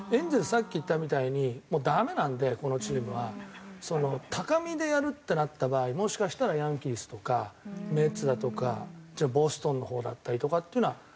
さっき言ったみたいにもうダメなんでこのチームは。高みでやるってなった場合もしかしたらヤンキースとかメッツだとかボストンのほうだったりとかっていうのはあるのかなと。